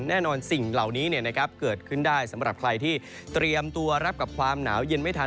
สิ่งเหล่านี้เกิดขึ้นได้สำหรับใครที่เตรียมตัวรับกับความหนาวเย็นไม่ทัน